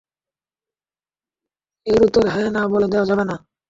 এর উত্তর হ্যাঁ-না বলে দেয়া যাবে না!